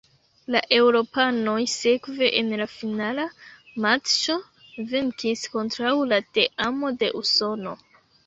La eŭropanoj sekve en la finala matĉo venkis kontraŭ la teamo de Usono.